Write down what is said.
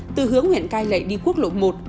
từ hướng huyện cai lệ đi quốc lộ một